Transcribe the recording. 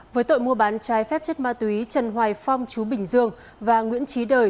với tội mua bán trái phép chất ma túy trần hoài phong chú bình dương và nguyễn trí đời